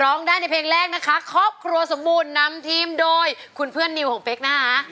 ร้องได้ในเพลงแรกนะคะครอบครัวสมบูรณ์นำทีมโดยคุณเพื่อนนิวของเป๊กนะคะ